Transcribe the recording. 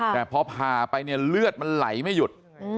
แต่พอผ่าไปเนี่ยเลือดมันไหลไม่หยุด